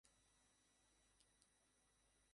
না, ওর ফোন আমার কাছে।